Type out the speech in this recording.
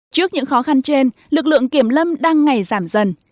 trước những khó khăn trên lực lượng kiểm lâm đang ngày giảm dần